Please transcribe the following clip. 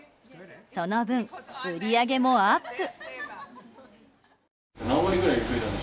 その分、売り上げもアップ。